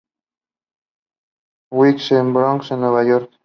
Wells, en Brooklyn, Nueva York.